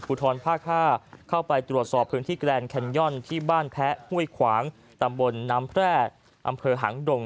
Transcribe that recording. ทรภาค๕เข้าไปตรวจสอบพื้นที่แกรนดแคนย่อนที่บ้านแพ้ห้วยขวางตำบลน้ำแพร่อำเภอหางดง